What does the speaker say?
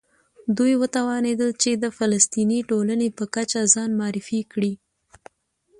دوی وتوانېدل چې د فلسطیني ټولنې په کچه ځان معرفي کړي.